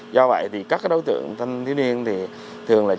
do vậy các đối tượng thanh niên thường là trị